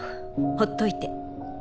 ほっといて。